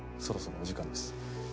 そろそろお時間です。